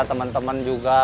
teman teman juga pelatih